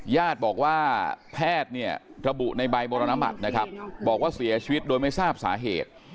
ญาติบอกว่าแพทย์เนี่ยระบุในใบมรณบัตรนะครับบอกว่าเสียชีวิตโดยไม่ทราบสาเหตุ